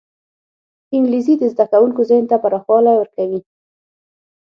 انګلیسي د زدهکوونکو ذهن ته پراخوالی ورکوي